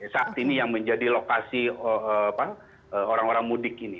saat ini yang menjadi lokasi orang orang mudik ini